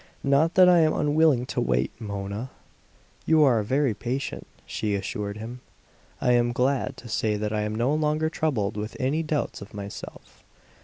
"Not that I am unwilling to wait, Mona." "You are very patient," she assured him. "I am glad to say that I am no longer troubled with any doubts of myself.